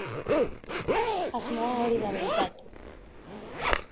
Asmoa hori da behintzat!